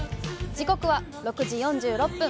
時刻は６時４６分。